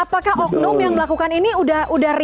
apakah oknum yang melakukan ini udah reset targetnya